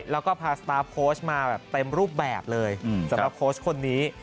แล้วก็พาสตาร์ฟโค้ชมาแบบเต็มรูปแบบเลยสำหรับโค้ชคนนี้